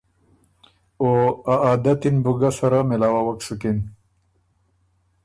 او ا عادتی ن بُو ګۀ سَرَه مېلاوَوَک سُکِن۔